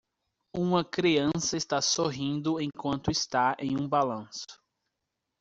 Uma criança está sorrindo enquanto está em um balanço.